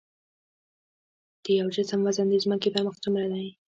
د یو جسم وزن د ځمکې پر مخ څومره دی؟